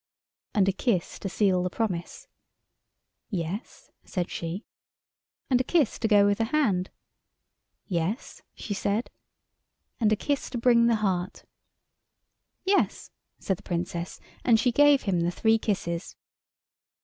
"And a kiss to seal the promise." "Yes," said she. "And a kiss to go with the hand." "Yes," she said. "And a kiss to bring the heart." "Yes," said the Princess, and she gave him the three kisses.